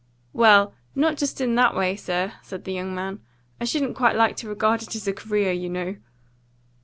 "Well, not just in that way, sir," said the young man. "I shouldn't quite like to regard it as a career, you know."